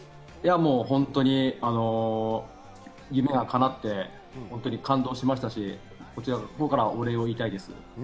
本当に夢がかなって、感動しましたし、こちらのほうからお礼を言いたいです。